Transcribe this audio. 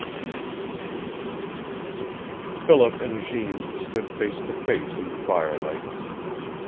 XI Philip and Jeanne stood face to face in the firelight.